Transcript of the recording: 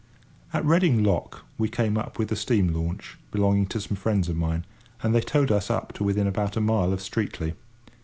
At Reading lock we came up with a steam launch, belonging to some friends of mine, and they towed us up to within about a mile of Streatley.